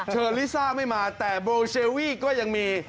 เชิญลิซ่าไม่มาแต่บลโชเวียก็ยังมี